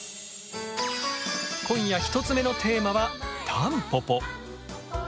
今夜１つ目のテーマはタンポポ。